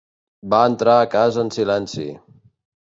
Va entrar a casa en silenci.